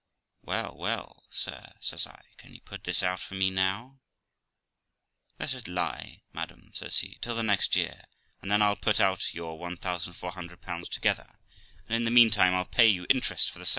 'Well, well, sir', says I, 'can you put this out for me now?' 'Let it lie, madam', says he, 'till the next year, and then I'll put out your , 1400 together, and in the meantime I'll pay you interest for the 700.'